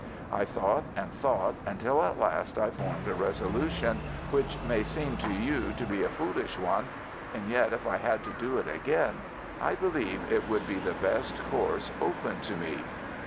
I thought and thought, until at last I formed a resolution which may seem to you to be a foolish one, and yet, if I had to do it again, I believe it would be the best course open to me.